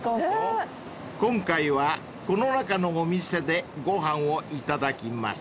［今回はこの中のお店でご飯を頂きます］